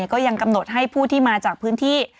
ก็ยังกำหนดให้ผู้ที่มาจากพื้นที่